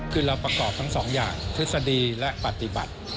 คือเราประกอบทั้งสองอย่างทฤษฎีและปฏิบัติ